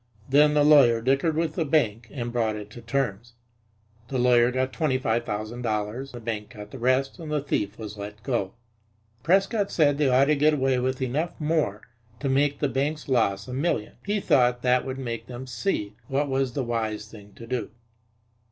Then the lawyer dickered with the bank and brought it to terms. The lawyer got twenty five thousand dollars, the bank got the rest, and the thief was let go. Prescott said they ought to get away with enough more to make the bank's loss a million. He thought that would make them see what was the wise thing to do.